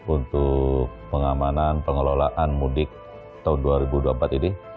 untuk pengamanan pengelolaan mudik tahun dua ribu dua puluh empat ini